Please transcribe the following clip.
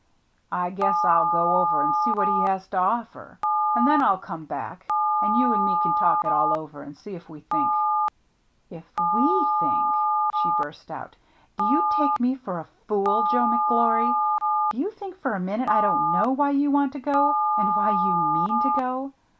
" I guess I'll go over and see what he has to offer, and then I'll come back, and you and me can talk it all over and see if we think —" "If w^ think! "she burst out. "Do you 62 THE MERRr ANNE take me for a fool, Joe McGlory ? Do you think for a minute I don't know why you want to go — and why you mean to go